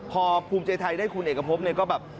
พอภูมิใจไทยได้คุณเอกพบเนี่ยก็แบบ